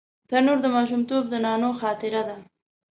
تنور د ماشومتوب د نانو خاطره ده